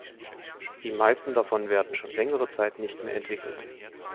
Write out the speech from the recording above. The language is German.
Die meisten davon werden schon längere Zeit nicht mehr entwickelt.